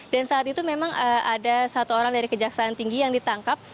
dan saat itu memang ada satu orang dari kejaksaan tinggi yang ditangkap